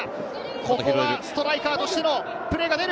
ここはストライカーとしてのプレーがある。